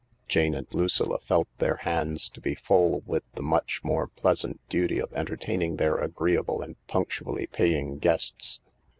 Jane and Lucilla felt their hands to be full with the much more pleasant duty of entertaining their agreeable and punctually paying guests.